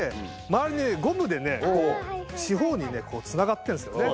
周りにゴムでこう四方につながってるんですよね。